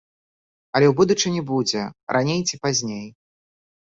Але ў будучыні будзе, раней ці пазней.